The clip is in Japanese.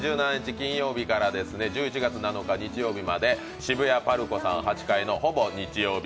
金曜日から１１月７日日曜日まで渋谷ＰＡＲＣＯさん８階のほぼ日曜日